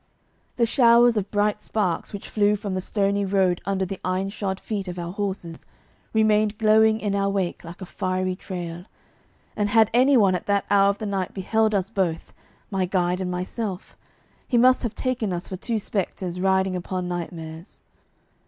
The showers of bright sparks which flew from the stony road under the ironshod feet of our horses remained glowing in our wake like a fiery trail; and had any one at that hour of the night beheld us both my guide and myself he must have taken us for two spectres riding upon nightmares.